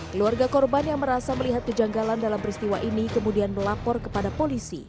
keluarga korban yang merasa melihat kejanggalan dalam peristiwa ini kemudian melapor kepada polisi